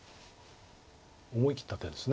思い切った手です